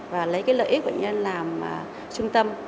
và lấy cái lợi ích của bệnh nhân làm trung tâm